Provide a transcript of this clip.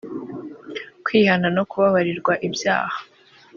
kwihana no kubabarirwa ibyaha